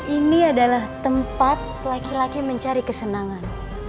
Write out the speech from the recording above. ini adalah tempat laki laki mencari kesenangan